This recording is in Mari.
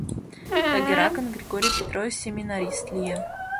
Тыгеракын Григорий Петрович семинарист лие...